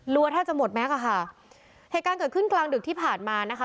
รู้ว่าถ้าจะหมดไหมคะค่ะเหตุการณ์เกิดขึ้นกลางดึกที่ผ่านมานะคะ